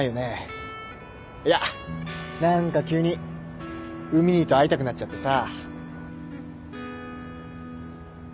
いや何か急に海兄と会いたくなっちゃってさ。